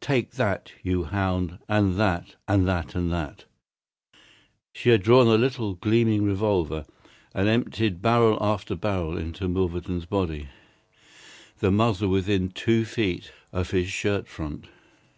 Take that, you hound, and that!—and that!—and that!" She had drawn a little, gleaming revolver, and emptied barrel after barrel into Milverton's body, the muzzle within two feet of his shirt front.